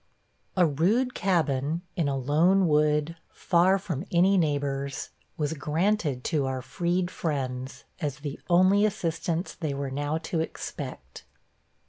A rude cabin, in a lone wood, far from any neighbors, was granted to our freed friends, as the only assistance they were now to expect.